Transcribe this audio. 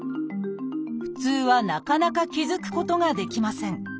普通はなかなか気付くことができません。